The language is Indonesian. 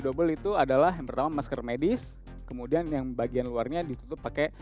double itu adalah yang pertama masker medis kemudian yang bagian luarnya ditutup pakai